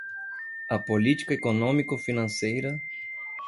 a política econômico-financeira